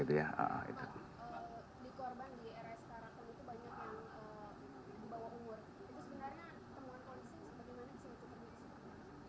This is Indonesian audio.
itu sebenarnya temuan kondisi bagaimana